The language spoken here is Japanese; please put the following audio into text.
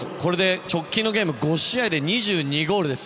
直近５試合で２２ゴールです。